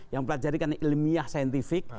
yang pelajari karena ilmiah saintifik